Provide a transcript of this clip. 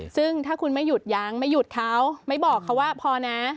ซึ่งถ้าคุณไม่หยุดยั้งไม่หยุดเขาไม่บอกเขาว่าพอนะ